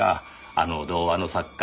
あの童話の作家